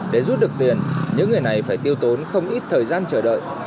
để rút được tiền những người này phải tiêu tốn không ít thời gian chờ đợi